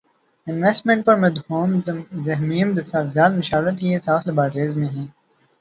investment پر مدون ضخیم دستاویزات مشاورت کے لیے ساؤتھ لیبارٹری میں ہیں